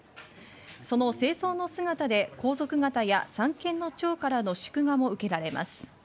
その正装の姿で皇族方や三権の長からの祝賀も受けられます。